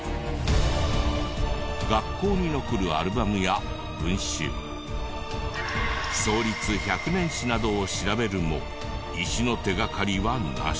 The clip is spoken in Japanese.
学校に残るアルバムや文集創立１００年史などを調べるも石の手掛かりはなし。